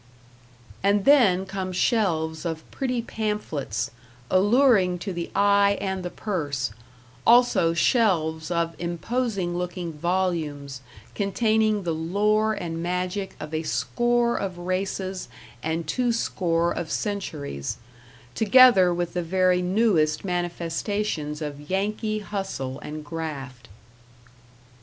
And then come shelves of pretty pamphlets, alluring to the eye and the purse; also shelves of imposing looking volumes containing the lore and magic of a score of races and two score of centuries together with the very newest manifestations of Yankee hustle and graft.